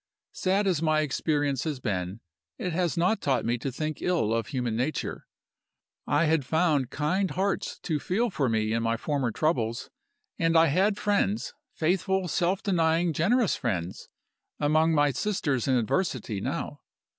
"Sad as my experience has been, it has not taught me to think ill of human nature. I had found kind hearts to feel for me in my former troubles; and I had friends faithful, self denying, generous friends among my sisters in adversity now.